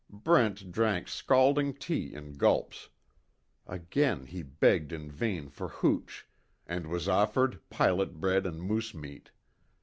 Brent drank scalding tea in gulps. Again he begged in vain for hooch and was offered pilot bread and moose meat.